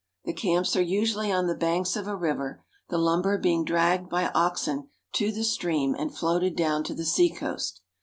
The camps are usually on the banks of a river, the lumber being dragged by oxen to the stream, and floated down to the seacoast.